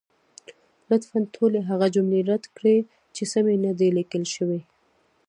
لطفا ټولې هغه جملې رد کړئ، چې سمې نه دي لیکل شوې.